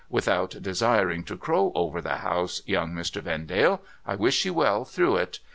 Without desiring to crow over the house, Young Mr. Vendalc, I wish you well through it.